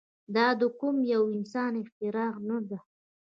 دا د کوم يوه انسان اختراع نه ده.